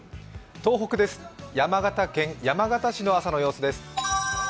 東北です、山形県山形市の朝の様子です。